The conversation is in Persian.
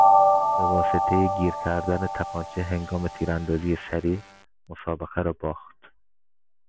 به واسطهی گیر کردن تپانچه هنگام تیراندازی سریع، مسابقه را باخت.